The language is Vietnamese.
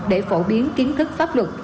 để phổ biến kiến thức pháp luật